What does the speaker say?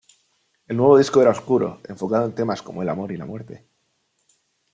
El nuevo disco era oscuro, enfocado en temas como el amor y la muerte.